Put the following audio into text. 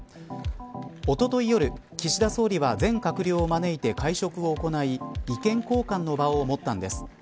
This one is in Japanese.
おととい夜、岸田総理は全閣僚を招いて会食を行い意見交換の場を持ったんです。